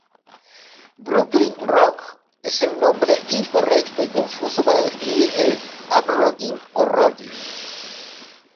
Brooklyn rock es el nombre incorrecto y confuso para describir el Up-Rocking o Rocking.